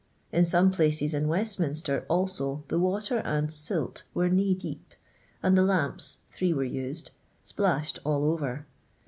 In some places in Westminster also the water and silt were knee deep, and the lamps (three were used) •plashed all over.